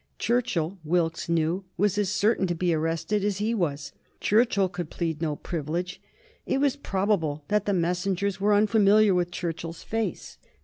Churchill, Wilkes knew, was as certain to be arrested as he was. Churchill could plead no privilege. It was probable that the messengers were unfamiliar with Churchill's face.